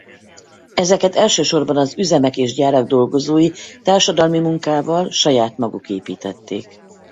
Ezeket elsősorban az üzemek és gyárak dolgozói társadalmi munkával saját maguk építették.